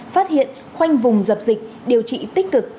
phát hiện khoanh vùng dập dịch điều trị tích cực